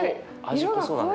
味濃そうだね。